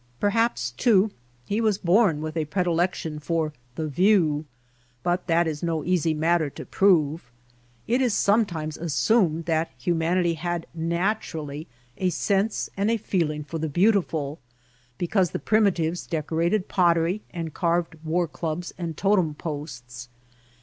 Perhaps, too, he was born with a pre dilection for ^^ the view,^^ but that is no easy matter to prove. It is sometimes assumed that humanity had naturally a sense and a feeling for the beautiful because the primitives deco rated pottery and carved war clubs and totem posts.